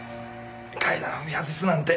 階段を踏み外すなんて。